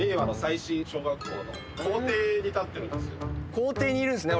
校庭にいるんすね